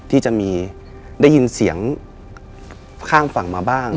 ที่จะมีได้ยินเสียงข้างฝั่งมาบ้าง